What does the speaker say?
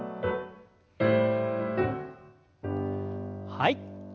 はい。